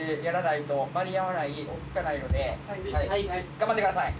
頑張ってください！